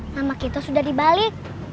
nama kita sudah di bali